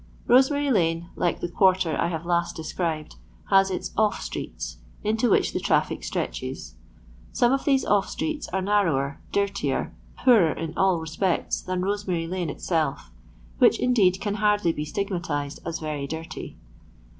Rosemary lane, like the quarter I have last described, has its off streets, into which the traffic stretches. Some of these off streets are narrower, dirtier, poorer in all respects than Rosemary lane itself, which indeed can hardly be stigmatized as very dirty.